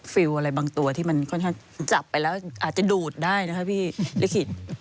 ฟิลล์อะไรบางตัวที่มันค่อนข้างจับไปแล้วอาจจะดูดได้นะคะพี่ลิขิต